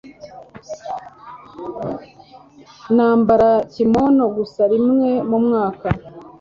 Nambara kimono gusa rimwe mumwaka.